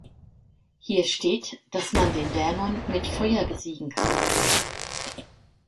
Hier steht, dass man den Dämon mit Feuer besiegen kann.